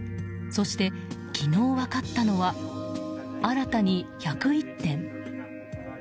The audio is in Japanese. そして、昨日分かったのは新たに１０１点。